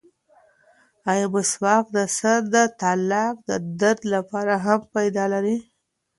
ایا مسواک د سر د تالک د درد لپاره هم فایده لري؟